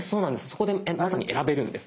そこでまさに選べるんです。